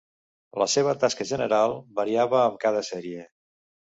La seva tasca general variava amb cada sèrie.